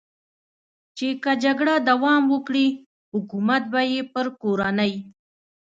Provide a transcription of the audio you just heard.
چې که جګړه دوام وکړي، حکومت به یې پر کورنۍ.